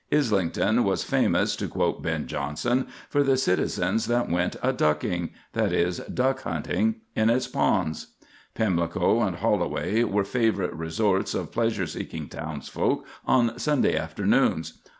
Islington was famous, to quote Ben Jonson, for the citizens that went a ducking—that is, duck hunting—in its ponds. Pimlico and Holloway were favorite resorts of pleasure seeking townsfolk on Sunday afternoons.